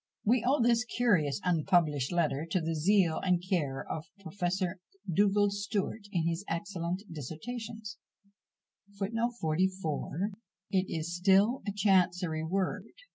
514 We owe this curious unpublished letter to the zeal and care of Professor Dugald Stewart, in his excellent "Dissertations." It is still a Chancery word.